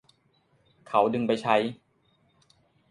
เขาดึงไปใช้